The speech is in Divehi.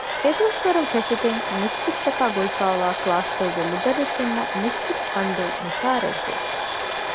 އެދުވަސްވަރުން ފެށިގެން މިސްކިތްތަކާ ގުޅިފައިވާ ކްލާސްތަކުގެ މުދައްރިސުންނަށް މިސްކިތު ފަންޑުން މުސާރައެއް ދެވެ